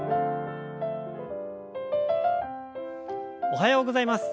おはようございます。